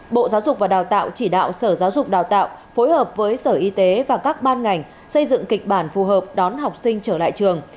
bộ giáo dục và đào tạo chỉ đạo sở giáo dục đào tạo phối hợp với sở y tế và các ban ngành xây dựng kịch bản phù hợp đón học sinh trở lại trường